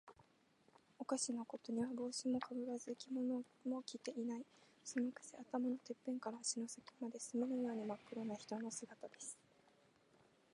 おかしなことには、帽子もかぶらず、着物も着ていない。そのくせ、頭のてっぺんから足の先まで、墨のようにまっ黒な人の姿です。